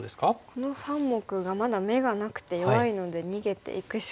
この３目がまだ眼がなくて弱いので逃げていくしかないですね。